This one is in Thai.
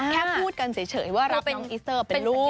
แค่พูดกันเฉยเฉยว่ารับน้องอิสเตอร์